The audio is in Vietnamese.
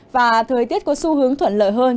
và thời tiết có xu hướng thuận lợi hơn